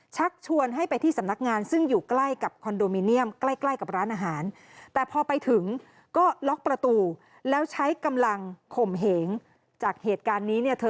ชักชวนให้ไปที่สำนักงานซึ่งอยู่ใกล้กับคอนโดมิเนียมใกล้กับร้านอาหาร